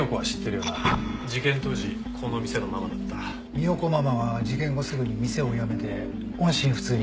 三代子ママは事件後すぐに店を辞めて音信不通に。